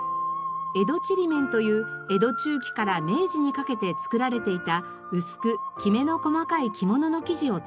江戸ちりめんという江戸中期から明治にかけて作られていた薄くきめの細かい着物の生地を使っています。